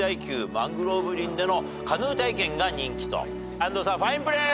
安藤さんファインプレー！